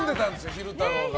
昼太郎が。